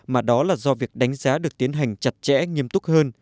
mà đó là do việc đánh giá được tiến hành chặt chẽ nghiêm túc hơn